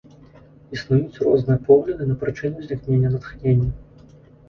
Існуюць розныя погляды на прычыны ўзнікнення натхнення.